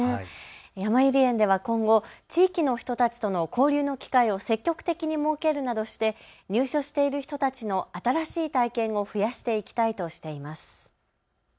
やまゆり園では今後、地域の人たちとの交流の機会を積極的に設けるなどして入所している人たちの新しい体験を増やしていきたいとしています。